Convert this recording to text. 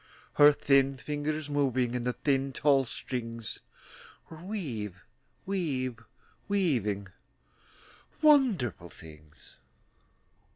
Her thin fingers, moving In the thin, tall strings, Were weav weav weaving Wonderful things.